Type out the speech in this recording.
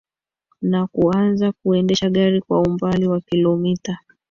Na kuanza kuendesha gari kwa umbali wa kilomita